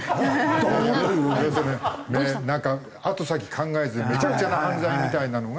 なんか後先考えずめちゃくちゃな犯罪みたいなのが。